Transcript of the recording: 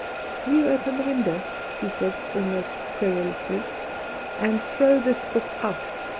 "Will you open the window," she said, almost querulously, "and throw this book out?